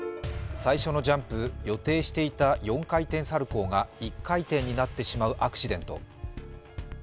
最初のジャンプ、予定していた４回転サルコウが１回転になってしまうアクシデント